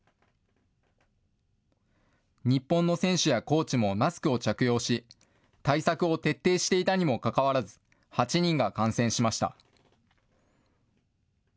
日本の選手やコーチもマスクを着用し、対策を徹底していたにもかかわらず、８人が感染しました。